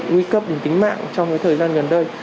nguy cấp đến tính mạng trong thời gian gần đây